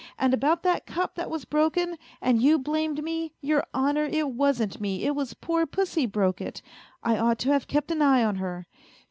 And about that cup that was broken, and you blamed me, your honour, it wasn't me, it was poor pussy broke it, I ought to have kept an eye on her.